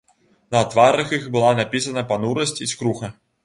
На тварах іх была напісана панурасць і скруха.